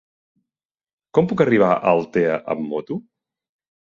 Com puc arribar a Altea amb moto?